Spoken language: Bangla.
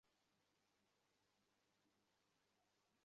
খবর পেয়ে কলেজের মালিক রথনা কুমার দুবাইয়ে আত্মগোপন করেন।